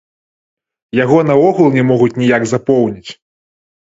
Яго наогул не могуць ніяк запоўніць.